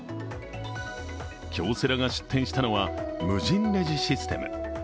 京セラが出展したのは無人レジシステム。